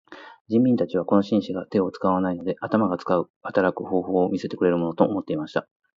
人民たちはこの紳士が手を使わないで頭で働く方法を見せてくれるものと思っていました。